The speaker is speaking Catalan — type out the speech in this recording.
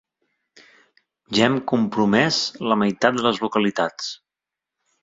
Ja hem compromès la meitat de les localitats.